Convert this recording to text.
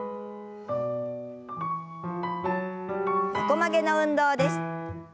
横曲げの運動です。